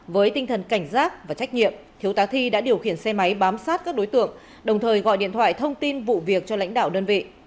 với tinh thần cảnh giác và trách nhiệm thiếu tá thi đã điều khiển xe máy bám sát các đối tượng đồng thời gọi điện thoại thông tin vụ việc cho lãnh đạo đơn vị